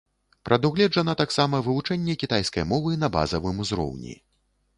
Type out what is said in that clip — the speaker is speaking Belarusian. Прадугледжана таксама вывучэнне кітайскай мовы на базавым узроўні.